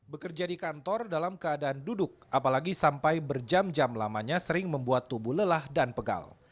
bekerja di kantor dalam keadaan duduk apalagi sampai berjam jam lamanya sering membuat tubuh lelah dan pegal